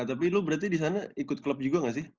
tapi lu berarti disana ikut club juga gak sih